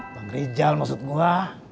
bang rijal maksudmu ha